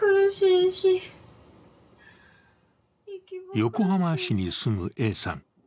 横浜市に住むＡさん。